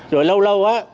rồi lâu lâu